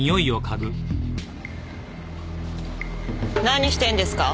何してんですか？